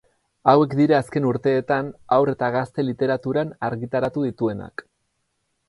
Hauek dira azken urteetan Haur eta Gazte Literaturan argitaratu dituenak.